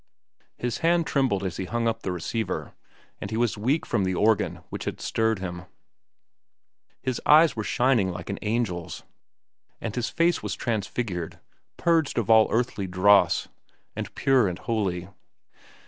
His hand trembled as he hung up the receiver, and he was weak from the organ which had stirred him. His eyes were shining like an angel's, and his face was transfigured, purged of all earthly dross, and pure and holy.